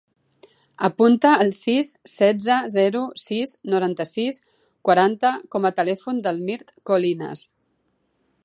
Apunta el sis, setze, zero, sis, noranta-sis, quaranta com a telèfon del Mirt Colinas.